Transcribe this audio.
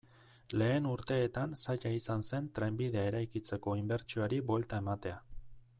Lehen urteetan zaila izan zen trenbidea eraikitzeko inbertsioari buelta ematea.